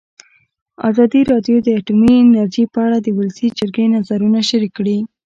ازادي راډیو د اټومي انرژي په اړه د ولسي جرګې نظرونه شریک کړي.